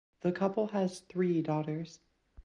The couple has three daughters.